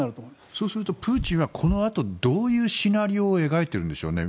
そうするとプーチンはこのあと、どういうシナリオを描いているんでしょうね？